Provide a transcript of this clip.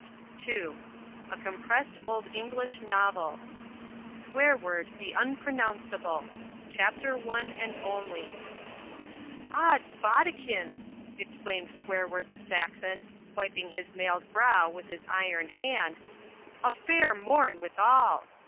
(II) A COMPRESSED OLD ENGLISH NOVEL SWEARWORD THE UNPRONOUNCEABLE CHAPTER ONE AND ONLY "Ods bodikins!" exclaimed Swearword the Saxon, wiping his mailed brow with his iron hand, "a fair morn withal!